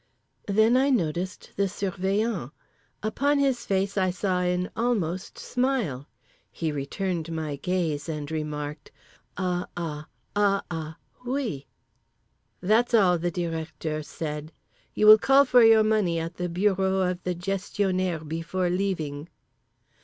Then I noticed the Surveillant. Upon his face I saw an almost smile. He returned my gaze and remarked: "Uh ah, uh ah, Oui." "That's all," the Directeur said. "You will call for your money at the bureau of the Gestionnaire before leaving."